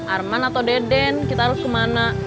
arman atau deden kita harus kemana